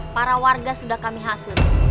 para warga sudah kami hasil